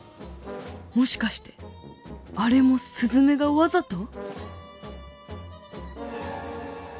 もしかしてあれもすずめがわざと？